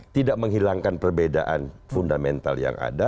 tidak menghilangkan perbedaan fundamental yang ada